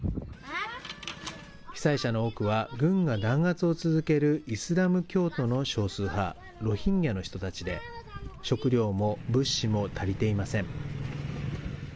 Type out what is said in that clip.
被災者の多くは軍が弾圧を続けるイスラム教徒の少数派、ロヒンギャの人たちで、食料も物資も足りていません。